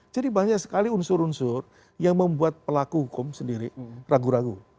jadi banyak sekali unsur unsur yang membuat pelaku hukum sendiri ragu ragu